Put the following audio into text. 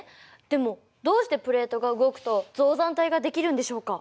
でもどうしてプレートが動くと造山帯が出来るんでしょうか。